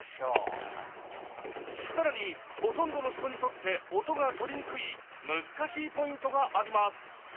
更にほとんどの人にとって音が取りにくい難しいポイントがあります